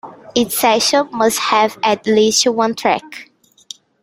Each session must have at least one track.